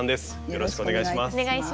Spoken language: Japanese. よろしくお願いします。